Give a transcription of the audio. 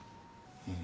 うん。